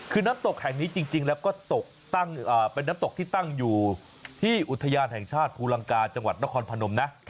คือน้ำตกแห่งนี้จริงแล้วก็ตกตั้งเป็นน้ำตกที่ตั้งอยู่ที่อุทยานแห่งชาติภูลังกาจังหวัดนครพนมนะ